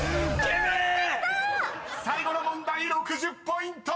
［最後の問題６０ポイント！］